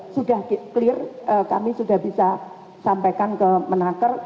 sudah clear kami sudah bisa sampaikan ke menaker